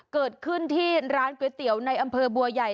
เกิดขึ้นที่ร้านก๋วยเตี๋ยวในอำเภอบัวใหญ่